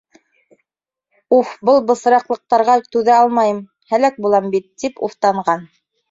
— Уф, был бысраҡлыҡтарға түҙә алмайым, һәләк булам бит, — тип уфтанған.